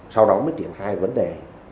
sau đó mới triển hai vấn đề